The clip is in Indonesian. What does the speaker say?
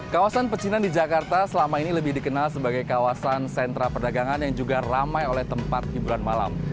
kawasan pecinan di jakarta selama ini lebih dikenal sebagai kawasan sentra perdagangan yang juga ramai oleh tempat hiburan malam